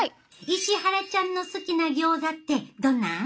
石原ちゃんの好きなギョーザってどんなん？